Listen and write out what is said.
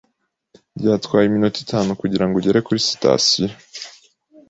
Byatwaye iminota itanu kugirango ugere kuri sitasiyo.